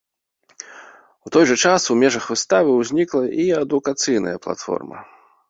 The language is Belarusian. У той жа час у межах выставы ўзнікла і адукацыйная платформа.